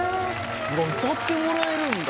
歌ってもらえるんだ。